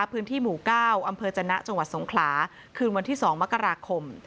พื้นที่หมู่เก้าอจนะจสงคราคืนวันที่๒มกราคม